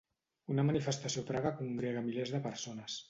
Una manifestació a Praga congrega milers de persones